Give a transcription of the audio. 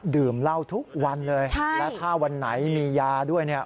ดื่มเหล้าทุกวันเลยและถ้าวันไหนมียาด้วยเนี่ย